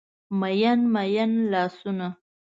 میین، میین لاسونه